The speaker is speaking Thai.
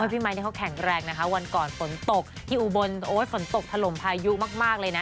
ไมค์นี่เขาแข็งแรงนะคะวันก่อนฝนตกที่อุบลโอ้ยฝนตกถล่มพายุมากเลยนะ